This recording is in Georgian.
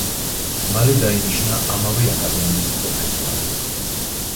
მალე დაინიშნა ამავე აკადემიის პროფესორად.